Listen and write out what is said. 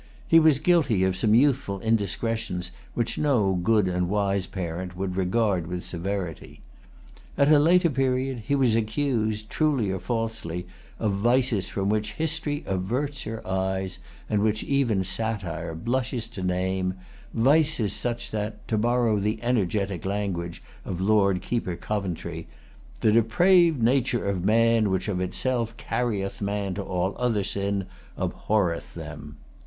He was guilty of some youthful indiscretions, which no good and wise parent would regard with severity. At a later period he was accused, truly or falsely, of vices from which History averts her eyes, and which even Satire blushes to name, vices such that, to borrow the energetic language of Lord Keeper Coventry, "the depraved nature of man, which of itself carrieth man to all other sin, abhorreth them."